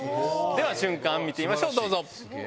では瞬間見てみましょうどうぞ。